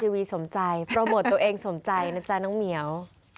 วีสมใจโปรโมทตัวเองสมใจนะจ๊ะน้องเหมียว